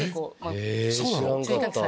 へぇ知らんかった。